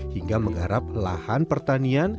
hingga mengharap lahan pertanian